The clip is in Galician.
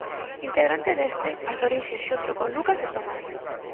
Integrante desde as orixes xunto con Lucas e Tomás.